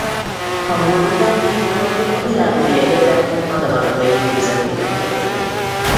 Hamburg után két hónapot a Milánói Egyetem matematikai intézetében töltött.